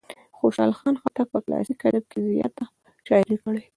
خوشال خان خټک په کلاسیک ادب کې زیاته شاعري کړې.